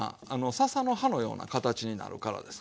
ささの葉のような形になるからです。